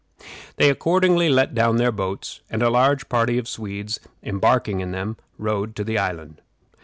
They accordingly let down their boats, and a large party of Swedes embarking in them rowed to the island.